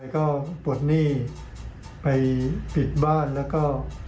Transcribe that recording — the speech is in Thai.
ก็ปลดหนี้ไปปิดบ้านแล้วก็